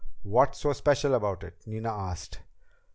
"What's so special about it?" Nina asked.